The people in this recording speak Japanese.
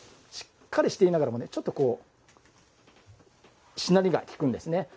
しっかりしていながらもちょっとしなりが利くんですね。